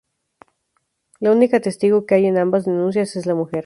La única testigo que hay en ambas denuncias es la mujer.